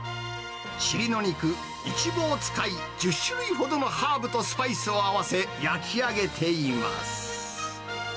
尻の肉、いちぼを使い、１０種類ほどのハーブとスパイスを合わせ焼き上げています。